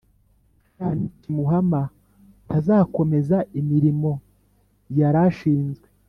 Icyaha nikimuhama ntazakomeza imirimo yari ashinzwe